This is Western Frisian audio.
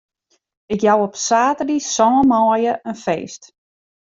Ik jou op saterdei sân maaie in feest.